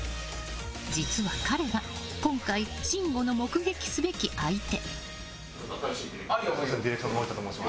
実は彼が今回、信五の目撃すべき相手。